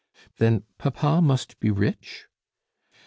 "Then papa must be rich?"